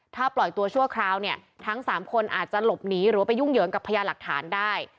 ถ้าปล่อยตัวชั่วคราวเนี่ยทั้ง๓คนอาจจะหลบหนีหรือว่าไปยุ่งเหยิงกับพญาหลักฐานได้